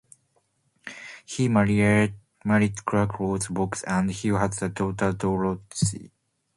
He married Clara Coles Boggs and he has a daughter Dorothy.